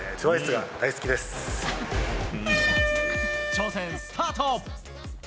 挑戦スタート。